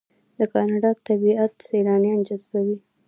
د کاناډا طبیعت سیلانیان جذبوي.